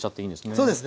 そうですね。